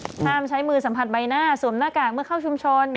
ห้ามใช้มือสัมผัสใบหน้าสวมหน้ากากเมื่อเข้าชุมชน